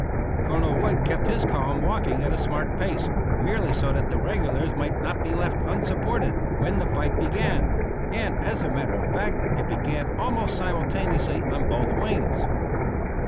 Colonel Wood kept his column walking at a smart pace, merely so that the regulars might not be left unsupported when the fight began; and as a matter of fact, it began almost simultaneously on both wings.